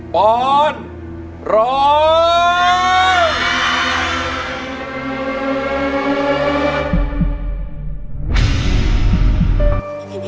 ปอนร้อง